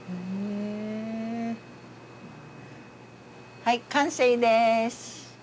はい完成です。